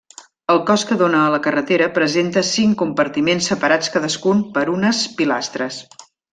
El cos que dóna a la carretera presenta cinc compartiments, separats cadascun per unes pilastres.